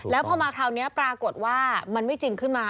แล้วพอมาคราวนี้ปรากฏว่ามันไม่จริงขึ้นมา